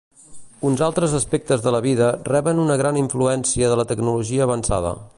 Uns altres aspectes de la vida reben una gran influència de la tecnologia avançada.